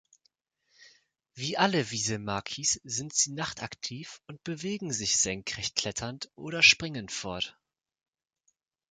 Wie alle Wieselmakis sind sie nachtaktiv und bewegen sich senkrecht kletternd oder springend fort.